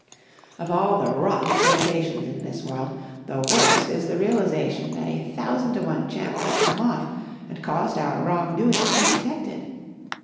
Of all the rotten sensations in this world, the worst is the realisation that a thousand to one chance has come off, and caused our wrong doing to be detected.